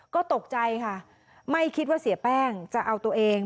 ก็ตกใจค่ะไม่คิดว่าเสียแป้งจะเอาตัวเอง